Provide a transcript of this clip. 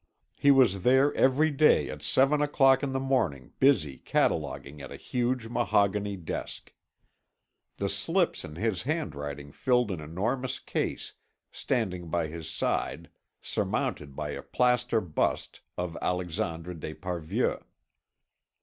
He was there every day at seven o'clock in the morning busy cataloguing at a huge mahogany desk. The slips in his handwriting filled an enormous case standing by his side surmounted by a plaster bust of Alexandre d'Esparvieu.